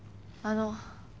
あの。